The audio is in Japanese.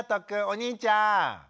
お兄ちゃん。